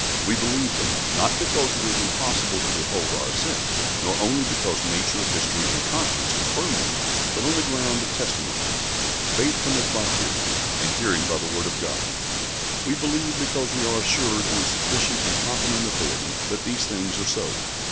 We believe them, not because it is impossible to withhold our assent, nor only because nature, history, and conscience confirm them, but on the ground of testimony. "Faith cometh by hearing, and hearing by the Word of God." We believe because we are assured on sufficient and competent authority that these things are so.